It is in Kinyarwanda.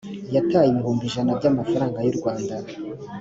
yataye ibihumbi ijana by ‘amafaranga y u rwanda